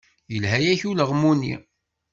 Yelha-yak ulaɣmu-nni.